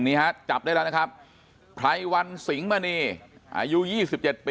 ฮะจับได้แล้วนะครับไพรวันสิงหมณีอายุ๒๗ปี